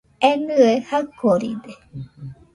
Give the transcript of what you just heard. Enɨe jaɨkoride